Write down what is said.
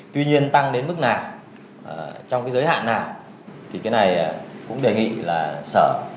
tuy nhiên tăng đến mức nào trong giới hạn nào thì cái này cũng đề nghị sở